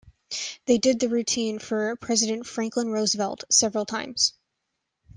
They did the routine for President Franklin Roosevelt several times.